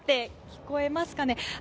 聞こえますかね。